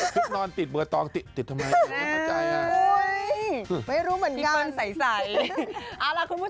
ชุดนอนติดเบอร์ตองติดทำไมครับ